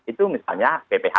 itu misalnya pth